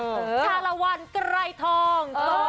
ชาละวันกระไข้ทอง